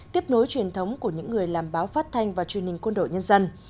tiếp nối truyền thống của những người làm báo phát thanh và truyền hình quân đội nhân dân